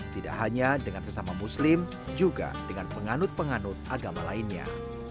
tidak hanya dengan sesama muslim juga dengan penganut penganut agama lainnya